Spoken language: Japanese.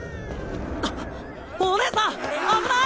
あっおねえさん危ない！